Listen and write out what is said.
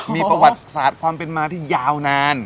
มีประวัติศาสตร์ความเป็นมาที่ยาวนาน